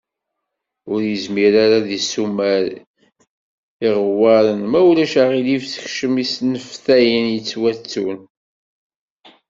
Ur yezmir ara ad d-isumer iɣewwaṛen, ma ulac aɣilif sekcem isenneftaɣen yettwattun.